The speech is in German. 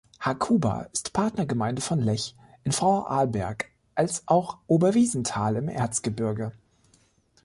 Hakuba ist Partnergemeinde von Lech in Vorarlberg als auch Oberwiesenthal im Erzgebirge.